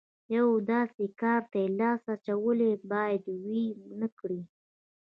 یوه داسې کار ته یې لاس اچولی چې بايد ويې نه کړي.